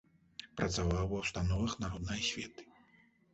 Працаваў ва ўстановах народнай асветы.